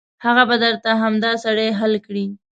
هغه به درته همدا سړی حل کړي.